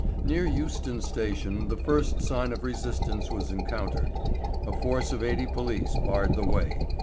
Near Euston Station the first sign of resistance was encountered. A force of eighty police barred the way.